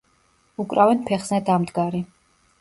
უკრავენ ფეხზე დამდგარი.